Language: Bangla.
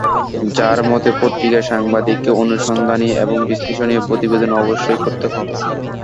ঝার মতে, পত্রিকার সাংবাদিককে অনুসন্ধানী এবং বিশ্লেষণী প্রতিবেদন অবশ্যই করতে হবে।